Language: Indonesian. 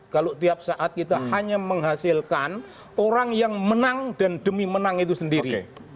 kalau tiap saat kita hanya menghasilkan orang yang menang dan demi menang itu sendiri